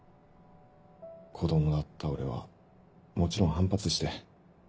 子供だった俺はもちろん反発して。